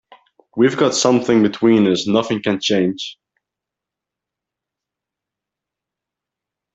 We've got something between us nothing can change.